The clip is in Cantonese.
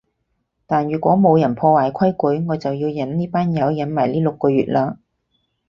但如果冇人破壞規矩，我就要忍呢班友忍埋呢六個月喇